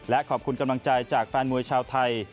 และขอบคุณกำลังใจจากแฟนมวยชาวไทย